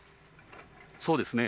そうですね。